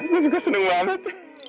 gue suka seneng banget